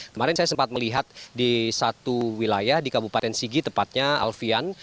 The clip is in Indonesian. kemarin saya sempat melihat di satu wilayah di kabupaten sigi tepatnya alfian